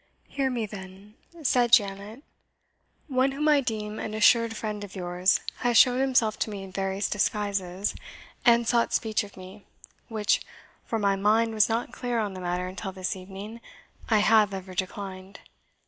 "Hear me, then," said Janet. "One whom I deem an assured friend of yours has shown himself to me in various disguises, and sought speech of me, which for my mind was not clear on the matter until this evening I have ever declined.